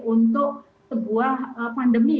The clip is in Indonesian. untuk sebuah pandemi